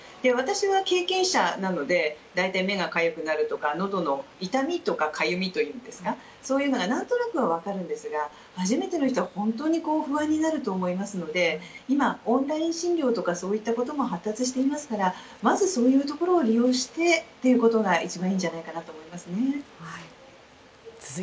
私は経験者なので大体、目がかゆくなるとかのどの痛みとかかゆみというんですかそういうのはなんとなくわかるんですが初めての人は本当に不安になると思いますので今、オンライン診療とかそういったことも発達していますからまずそういうところを利用してということが一番いいんじゃないかと思いますね。